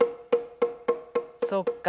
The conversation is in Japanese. そっか。